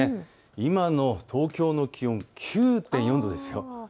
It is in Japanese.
今の東京の気温９．４度です。